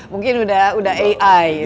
mungkin udah ai gitu